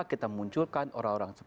kita munculkan orang orang